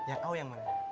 yang kau yang menurut